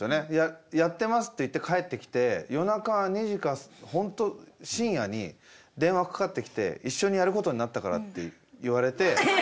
「やってます」って言って帰ってきて夜中２時か本当深夜に電話かかってきて「一緒にやることになったから」って言われて。